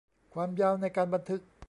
ความยาวในการบันทึก